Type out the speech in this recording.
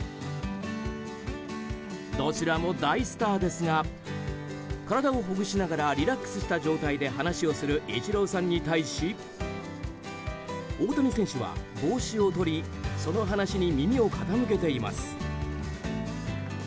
どちらも大スターですが体をほぐしながらリラックスした状態で話をするイチローさんに対し大谷選手は帽子を取りその話に耳を傾けています。